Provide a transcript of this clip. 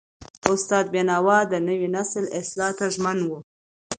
استاد بینوا د نوي نسل اصلاح ته ژمن و.